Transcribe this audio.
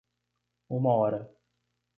Uma hora.